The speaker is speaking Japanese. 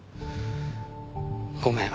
ごめん。